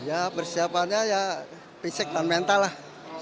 ya persiapannya ya fisik dan mental lah